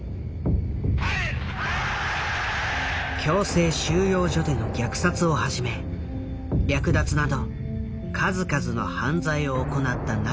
強制収容所での虐殺をはじめ略奪など数々の犯罪を行ったナチス政権。